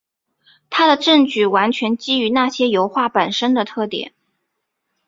他的证据完全基于那些油画本身的特点。